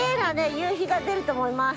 夕日が出ると思います。